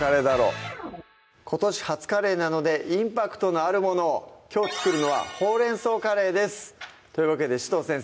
今年初カレーなのでインパクトのあるものをきょう作るのは「ほうれん草カレー」ですというわけで紫藤先生